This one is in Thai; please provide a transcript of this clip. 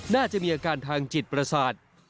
น่าจะมีอาการทางจิตประสาท